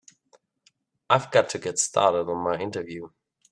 I've got to get started on my interview.